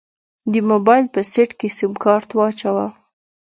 د موبايل په سيټ کې يې سيمکارت واچوه.